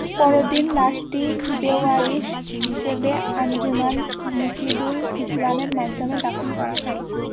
পরদিন লাশটি বেওয়ারিশ হিসেবে আঞ্জুমান মুফিদুল ইসলামের মাধ্যমে দাফন করা হয়।